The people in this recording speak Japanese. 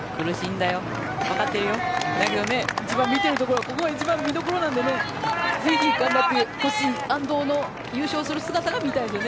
だけどね、一番見てるところここが一番見どころなのでねぜひ頑張ってほしい、安藤の優勝する姿が見たいですよね